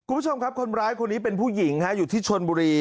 คุณผู้ชมครับคนร้ายคนนี้เป็นผู้หญิงอยู่ที่ชนบุรี